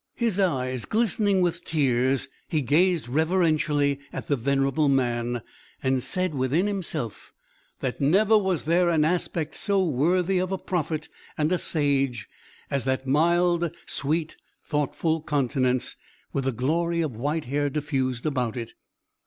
His eyes glistening with tears, he gazed reverentially at the venerable man, and said within himself that never was there an aspect so worthy of a prophet and a sage as that mild, sweet, thoughtful countenance, with the glory of white hair diffused about it.